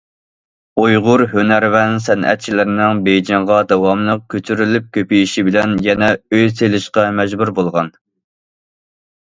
ئۇيغۇر ھۈنەرۋەن سەنئەتچىلىرىنىڭ بېيجىڭغا داۋاملىق كۆچۈرۈلۈپ كۆپىيىشى بىلەن يەنە ئۆي سېلىشقا مەجبۇر بولغان.